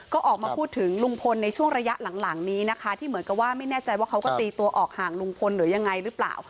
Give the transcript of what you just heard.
ก็ออกมาพูดถึงลุงพลในช่วงระยะหลังนี้นะคะที่เหมือนกับว่าไม่แน่ใจว่าเขาก็ตีตัวออกห่างลุงพลหรือยังไงหรือเปล่า